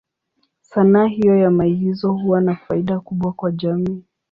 Sanaa hiyo ya maigizo huwa na faida kubwa kwa jamii.